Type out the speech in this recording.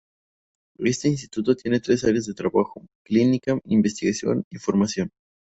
Este Instituto tiene tres áreas de trabajo: clínica, investigación y formación.